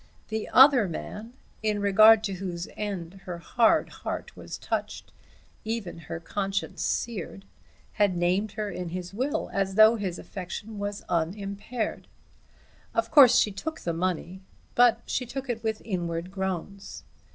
The other, in regard to whose end her hard heart was touched, even her conscience seared, had named her in his will as though his affection was unimpaired. Of course she took the money, but she took it with inward groans.